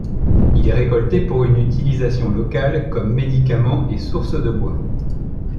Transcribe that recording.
Il est récolté pour une utilisation locale comme médicament et source de bois.